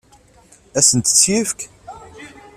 Ad asent-tt-yefk?